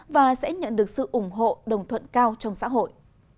và sẽ nhận được sự ủng hộ đồng thuận cao trong xã hội